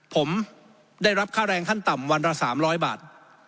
ผมได้รับค่าแรงขั้นต่ำวันละ๓๐๐บาท